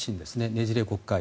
ねじれ国会。